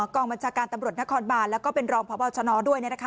กองบัญชาการตำรวจนครบานแล้วก็เป็นรองพบชนด้วย